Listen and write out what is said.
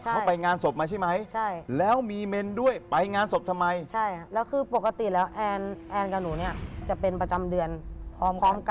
เขาไปงานศพมาใช่ไหม